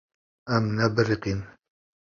Em nebiriqîn.